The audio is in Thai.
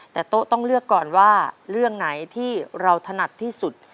แต่โต๊ะต้องเลือกก่อนว่าเรื่องไหนที่เราถนัดที่สุด